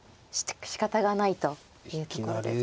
しかたがないというところですか。